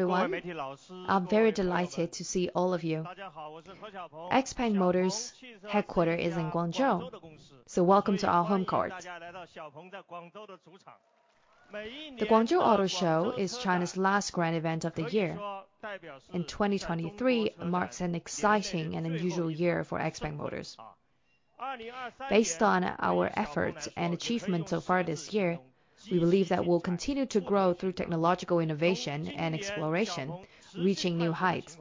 Everyone, I'm very delighted to see all of you. XPeng Motors' headquarters is in Guangzhou, so welcome to our home court. The Guangzhou Auto Show is China's last grand event of the year, and 2023 marks an exciting and unusual year for XPeng Motors. Based on our efforts and achievements so far this year, we believe that we'll continue to grow through technological innovation and exploration, reaching new heights.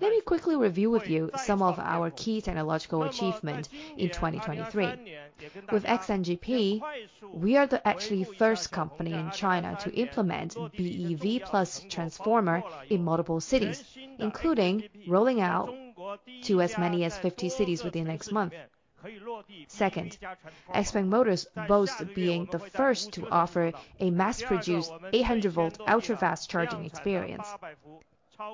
Let me quickly review with you some of our key technological achievement in 2023. With XNGP, we are the actually first company in China to implement BEV Plus Transformer in multiple cities, including rolling out to as many as 50 cities within the next month. Second, XPeng Motors boasts being the first to offer a mass-produced 800-volt ultra-fast charging experience,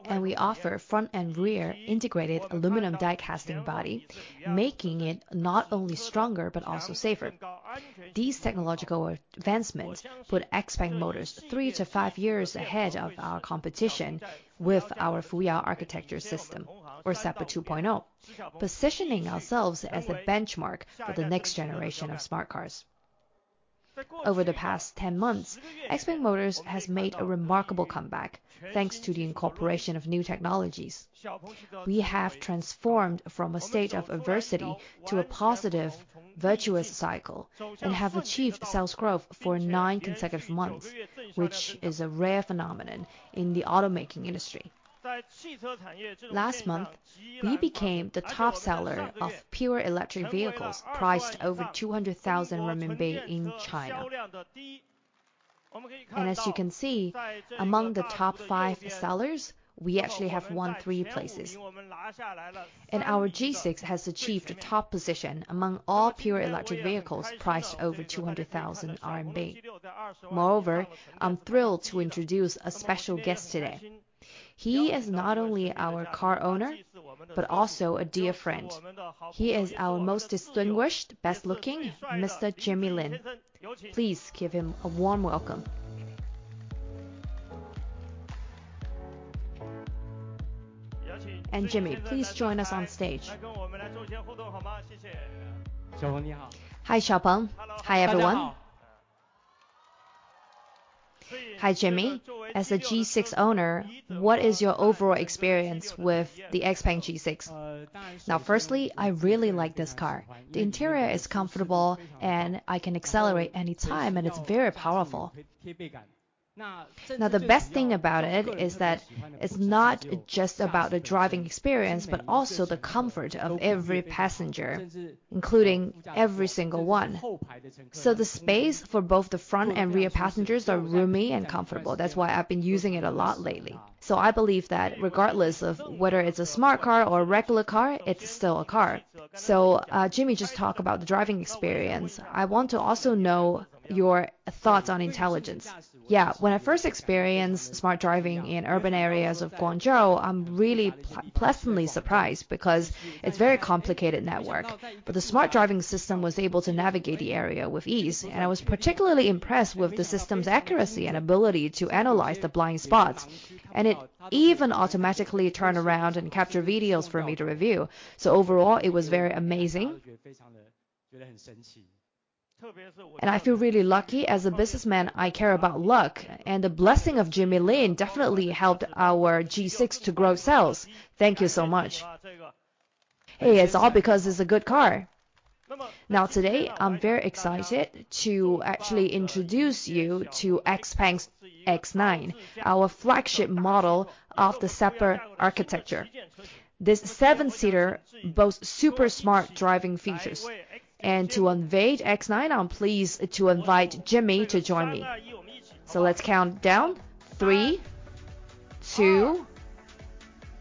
and we offer front and rear integrated aluminum die casting body, making it not only stronger, but also safer. These technological advancements put XPeng Motors 3-5 years ahead of our competition with our Fuyao architecture system, or SEPA 2.0, positioning ourselves as the benchmark for the next generation of smart cars. Over the past 10 months, XPeng Motors has made a remarkable comeback, thanks to the incorporation of new technologies. We have transformed from a state of adversity to a positive, virtuous cycle, and have achieved sales growth for 9 consecutive months, which is a rare phenomenon in the automaking industry. Last month, we became the top seller of pure electric vehicles, priced over 200,000 RMB in China. As you can see, among the top five sellers, we actually have won three places, and our G6 has achieved a top position among all pure electric vehicles priced over 200,000 RMB. Moreover, I'm thrilled to introduce a special guest today. He is not only our car owner, but also a dear friend. He is our most distinguished, best-looking, Mr. Jimmy Lin. Please give him a warm welcome. Jimmy, please join us on stage. Hi, Xiaopeng. Hi, everyone. Hi, Jimmy. As a G6 owner, what is your overall experience with the XPENG G6? Now, firstly, I really like this car. The interior is comfortable, and I can accelerate any time, and it's very powerful. Now, the best thing about it is that it's not just about the driving experience, but also the comfort of every passenger, including every single one. So the space for both the front and rear passengers are roomy and comfortable. That's why I've been using it a lot lately. So I believe that regardless of whether it's a smart car or a regular car, it's still a car. So, Jimmy, just talk about the driving experience. I want to also know your thoughts on intelligence. Yeah. When I first experienced smart driving in urban areas of Guangzhou, I'm really pleasantly surprised because it's very complicated network, but the smart driving system was able to navigate the area with ease, and I was particularly impressed with the system's accuracy and ability to analyze the blind spots, and it even automatically turn around and capture videos for me to review. So overall, it was very amazing, and I feel really lucky. As a businessman, I care about luck, and the blessing of Jimmy Lin definitely helped our G6 to grow sales. Thank you so much. Hey, it's all because it's a good car. Now, today, I'm very excited to actually introduce you to XPENG's X9, our flagship model of the SEPA architecture. This seven-seater boasts super smart driving features, and to unveil X9, I'm pleased to invite Jimmy to join me. So let's count down: 3, 2,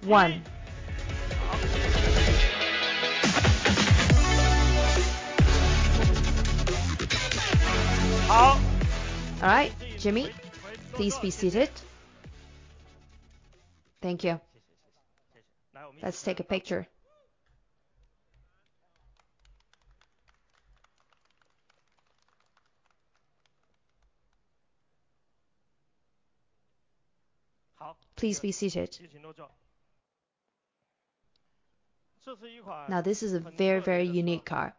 1. Oh, all right, Jimmy, please be seated. Thank you. Let's take a picture. Please be seated. Now, this is a very, very unique car.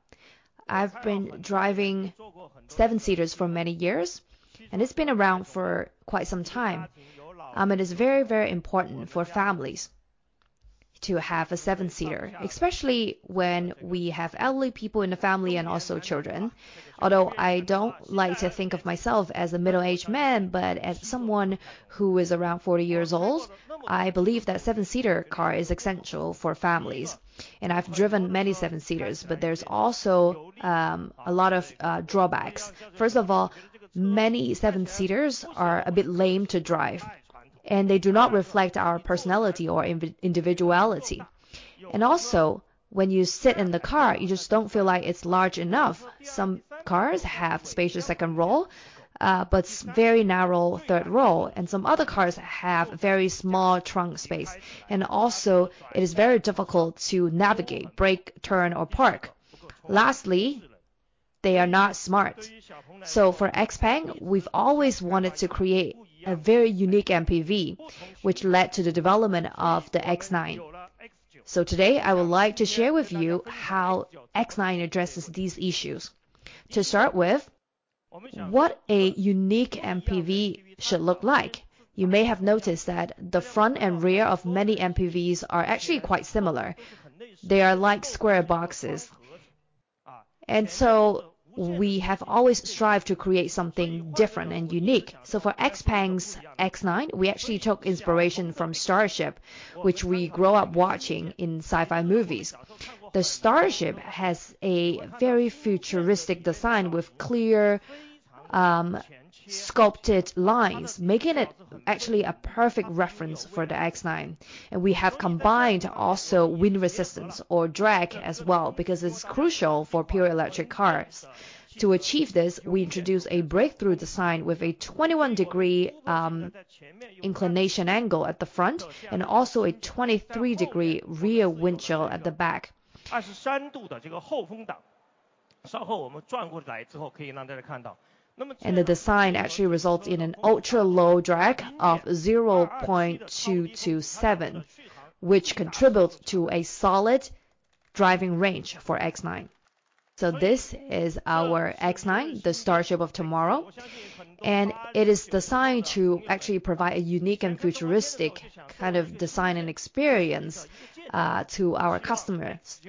I've been driving seven-seaters for many years, and it's been around for quite some time. It is very, very important for families to have a seven-seater, especially when we have elderly people in the family and also children. Although I don't like to think of myself as a middle-aged man, but as someone who is around 40 years old, I believe that 7-seater car is essential for families. I've driven many 7-seaters, but there's also a lot of drawbacks. First of all, many 7-seaters are a bit lame to drive, and they do not reflect our personality or individuality. Also, when you sit in the car, you just don't feel like it's large enough. Some cars have spacious second row, but very narrow third row, and some other cars have very small trunk space, and also it is very difficult to navigate, brake, turn, or park. Lastly, they are not smart. For XPeng, we've always wanted to create a very unique MPV, which led to the development of the X9. So today, I would like to share with you how X9 addresses these issues. To start with, what a unique MPV should look like? You may have noticed that the front and rear of many MPVs are actually quite similar. They are like square boxes. And so we have always strived to create something different and unique. So for XPeng's X9, we actually took inspiration from Starship, which we grew up watching in sci-fi movies. The Starship has a very futuristic design with clear, sculpted lines, making it actually a perfect reference for the X9. And we have combined also wind resistance or drag as well, because it's crucial for pure electric cars. To achieve this, we introduced a breakthrough design with a 21-degree inclination angle at the front, and also a 23-degree rear windshield at the back. The design actually results in an ultra-low drag of 0.227, which contributes to a solid driving range for X9. This is our X9, the Starship of tomorrow, and it is designed to actually provide a unique and futuristic kind of design and experience to our customers,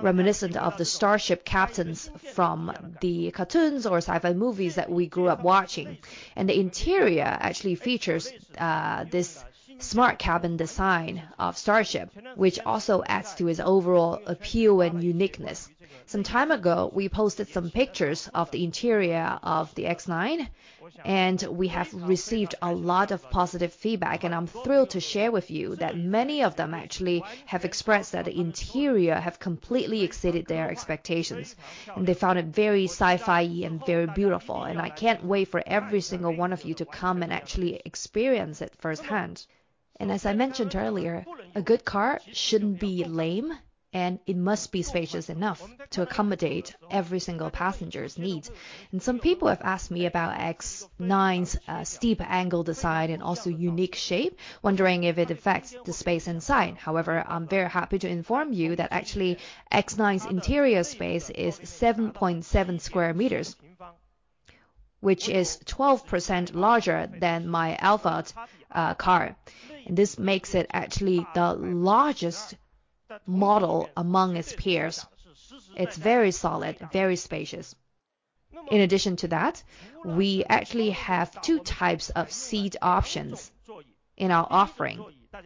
reminiscent of the starship captains from the cartoons or sci-fi movies that we grew up watching. The interior actually features this smart cabin design of Starship, which also adds to its overall appeal and uniqueness. Some time ago, we posted some pictures of the interior of the X9, and we have received a lot of positive feedback, and I'm thrilled to share with you that many of them actually have expressed that the interior have completely exceeded their expectations, and they found it very sci-fi-y and very beautiful. I can't wait for every single one of you to come and actually experience it firsthand. As I mentioned earlier, a good car shouldn't be lame, and it must be spacious enough to accommodate every single passenger's needs. Some people have asked me about X9's steep angle design and also unique shape, wondering if it affects the space inside. However, I'm very happy to inform you that actually X9's interior space is 7.7 square meters, which is 12% larger than my Alphard car. This makes it actually the largest model among its peers. It's very solid, very spacious. In addition to that, we actually have two types of seat options in our offering,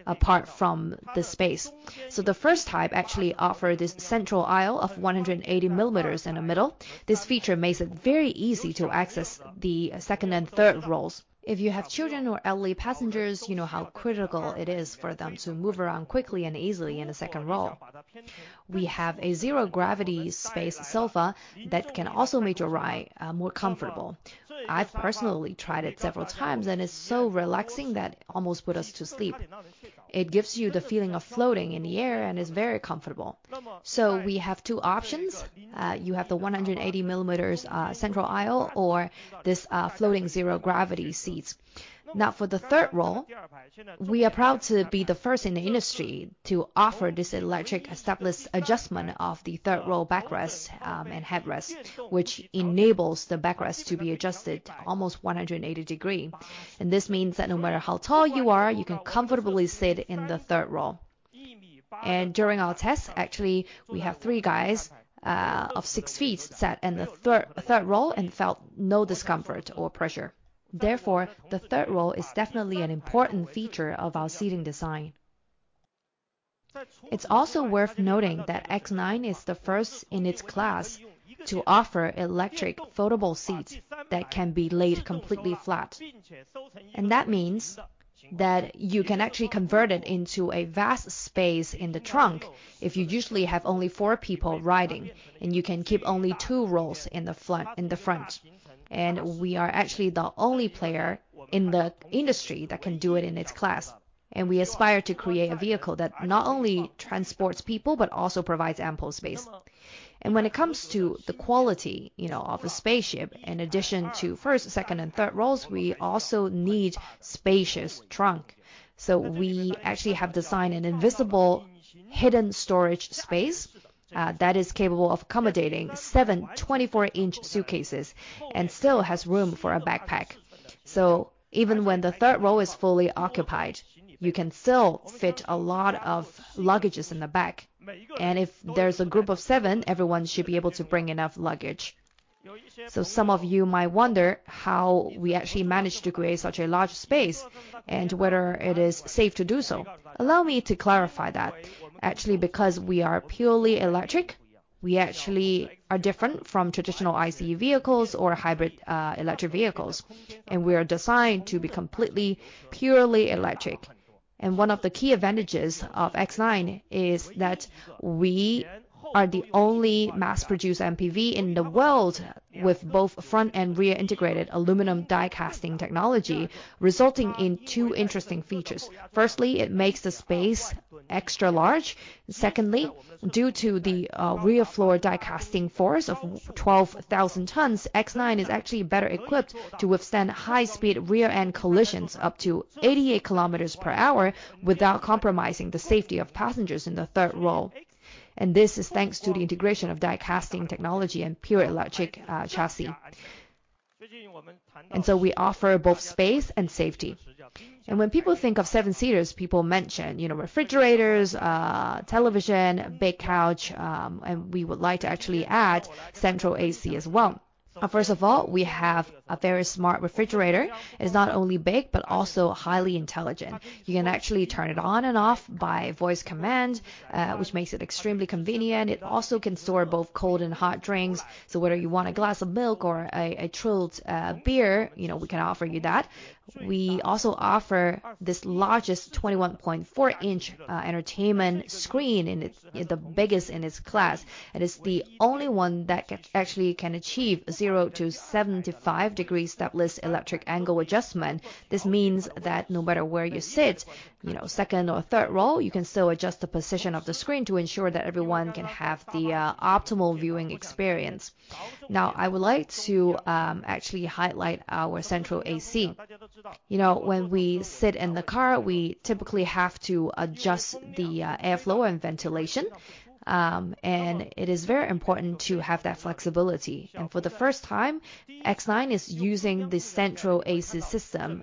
apart from the space. The first type actually offer this central aisle of 180 mm in the middle. This feature makes it very easy to access the second and third rows. If you have children or elderly passengers, you know how critical it is for them to move around quickly and easily in the second row. We have a zero gravity space sofa that can also make your ride more comfortable. I've personally tried it several times, and it's so relaxing that almost put us to sleep. It gives you the feeling of floating in the air and is very comfortable. So we have two options: you have the 180 millimeters central aisle or this floating zero gravity seats. Now, for the third row, we are proud to be the first in the industry to offer this electric stepless adjustment of the third row backrest and headrest, which enables the backrest to be adjusted almost 180 degrees. This means that no matter how tall you are, you can comfortably sit in the third row. During our test, actually, we have three guys of 6 feet sat in the third row and felt no discomfort or pressure. Therefore, the third row is definitely an important feature of our seating design. It's also worth noting that X9 is the first in its class to offer electric foldable seats that can be laid completely flat. That means that you can actually convert it into a vast space in the trunk if you usually have only four people riding, and you can keep only two rows in the front. We are actually the only player in the industry that can do it in its class. We aspire to create a vehicle that not only transports people, but also provides ample space. When it comes to the quality, you know, of a spaceship, in addition to first, second, and third rows, we also need spacious trunk. So we actually have designed an invisible hidden storage space that is capable of accommodating 7 24-inch suitcases and still has room for a backpack. So even when the third row is fully occupied, you can still fit a lot of luggages in the back, and if there's a group of 7, everyone should be able to bring enough luggage. So some of you might wonder how we actually managed to create such a large space and whether it is safe to do so. Allow me to clarify that. Actually, because we are purely electric, we actually are different from traditional ICE vehicles or hybrid electric vehicles, and we are designed to be completely, purely electric.... One of the key advantages of X9 is that we are the only mass-produced MPV in the world with both front and rear integrated aluminum die casting technology, resulting in two interesting features. Firstly, it makes the space extra large. Secondly, due to the rear floor die casting force of 12,000 tons, X9 is actually better equipped to withstand high-speed rear-end collisions up to 88 kilometers per hour without compromising the safety of passengers in the third row. And this is thanks to the integration of die casting technology and pure electric chassis. And so we offer both space and safety. And when people think of seven-seaters, people mention, you know, refrigerators, television, big couch, and we would like to actually add central AC as well. But first of all, we have a very smart refrigerator. It's not only big, but also highly intelligent. You can actually turn it on and off by voice command, which makes it extremely convenient. It also can store both cold and hot drinks, so whether you want a glass of milk or a chilled beer, you know, we can offer you that. We also offer this largest 21.4-inch entertainment screen, and it's the biggest in its class, and it's the only one that can actually achieve 0-75 degrees stepless electric angle adjustment. This means that no matter where you sit, you know, second or third row, you can still adjust the position of the screen to ensure that everyone can have the optimal viewing experience. Now, I would like to actually highlight our central AC. You know, when we sit in the car, we typically have to adjust the airflow and ventilation, and it is very important to have that flexibility. For the first time, X9 is using the central AC system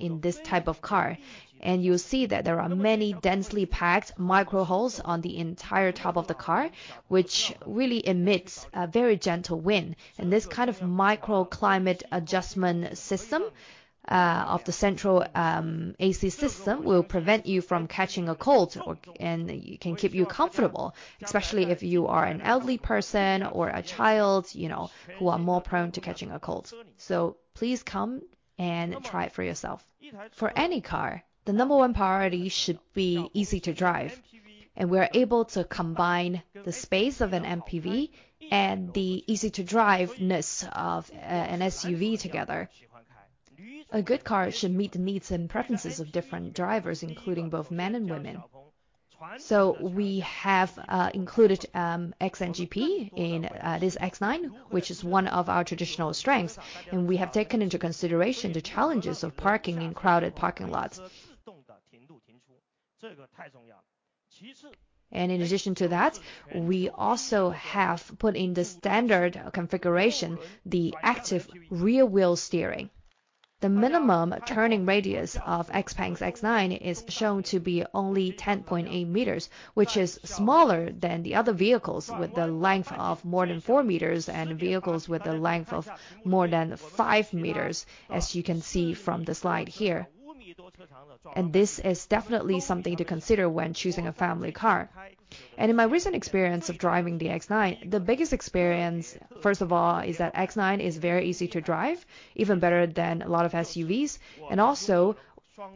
in this type of car, and you'll see that there are many densely packed micro holes on the entire top of the car, which really emits a very gentle wind. This kind of micro climate adjustment system of the central AC system will prevent you from catching a cold or... and it can keep you comfortable, especially if you are an elderly person or a child, you know, who are more prone to catching a cold. Please come and try it for yourself. For any car, the number 1 priority should be easy to drive, and we're able to combine the space of an MPV and the easy-to-driveness of an SUV together. A good car should meet the needs and preferences of different drivers, including both men and women. So we have included XNGP in this X9, which is one of our traditional strengths, and we have taken into consideration the challenges of parking in crowded parking lots. In addition to that, we also have put in the standard configuration, the active rear-wheel steering. The minimum turning radius of XPENG's X9 is shown to be only 10.8 meters, which is smaller than the other vehicles with a length of more than 4 meters and vehicles with a length of more than 5 meters, as you can see from the slide here. This is definitely something to consider when choosing a family car. In my recent experience of driving the X9, the biggest experience, first of all, is that X9 is very easy to drive, even better than a lot of SUVs. Also,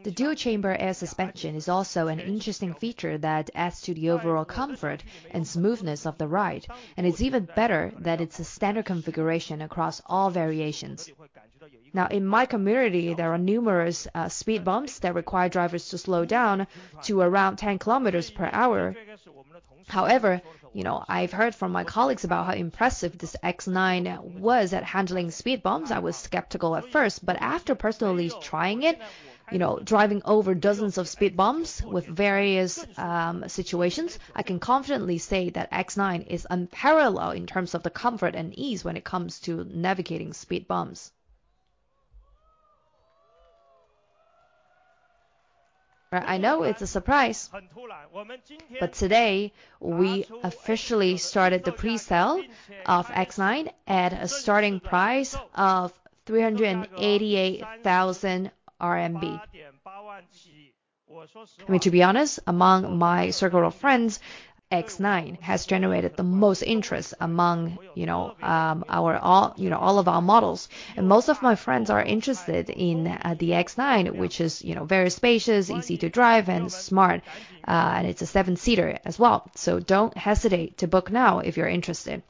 the dual-chamber air suspension is also an interesting feature that adds to the overall comfort and smoothness of the ride, and it's even better that it's a standard configuration across all variations. Now, in my community, there are numerous speed bumps that require drivers to slow down to around 10 kilometers per hour. However, you know, I've heard from my colleagues about how impressive this X9 was at handling speed bumps. I was skeptical at first, but after personally trying it, you know, driving over dozens of speed bumps with various situations, I can confidently say that X9 is unparalleled in terms of the comfort and ease when it comes to navigating speed bumps. I know it's a surprise, but today we officially started the pre-sale of X9 at a starting price of 388,000 RMB. I mean, to be honest, among my circle of friends, X9 has generated the most interest among, you know, all of our models. Most of my friends are interested in the X9, which is, you know, very spacious, easy to drive, and smart, and it's a seven-seater as well. So don't hesitate to book now if you're interested.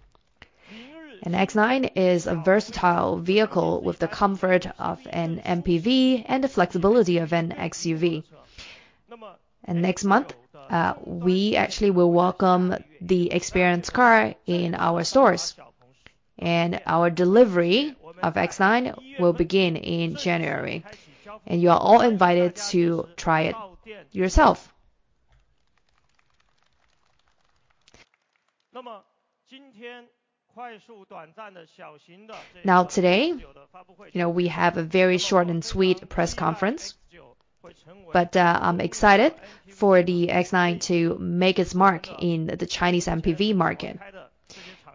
X9 is a versatile vehicle with the comfort of an MPV and the flexibility of an SUV. Next month, we actually will welcome the experience car in our stores, and our delivery of X9 will begin in January, and you are all invited to try it yourself. Now, today, you know, we have a very short and sweet press conference, but, I'm excited for the X9 to make its mark in the Chinese MPV market.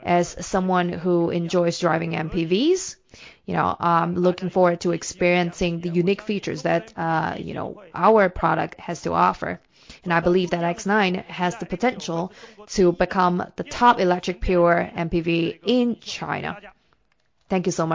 As someone who enjoys driving MPVs, you know, I'm looking forward to experiencing the unique features that, you know, our product has to offer, and I believe that X9 has the potential to become the top electric pure MPV in China. Thank you so much.